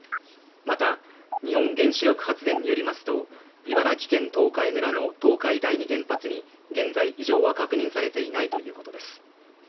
また、日本原子力発電によりますと、茨城県東海村の東海第二原発に現在異常は確認されていないということです。